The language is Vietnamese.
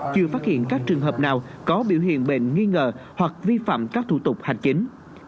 chưa phát hiện các trường hợp nào có biểu hiện bệnh nghi ngờ hoặc vi phạm các thủ tục hành chính